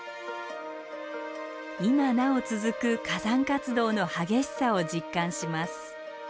今なお続く火山活動の激しさを実感します。